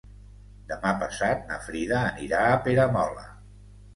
Demà passat na Frida anirà a Peramola.